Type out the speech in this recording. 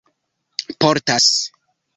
portas